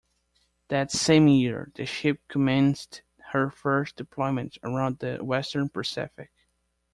Later that same year the ship commenced her first deployment around the western Pacific.